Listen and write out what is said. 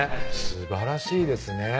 すばらしいですね